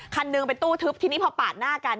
คันหนึ่งเป็นตู้ทึบทีนี้พอปาดหน้ากัน